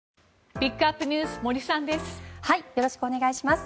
ピックアップＮＥＷＳ森さんです。